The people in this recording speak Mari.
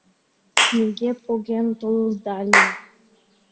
Снеге поген толылдальым